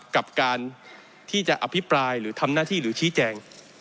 กับการที่จะอภิปรายหรือทำหน้าที่หรือชี้แจง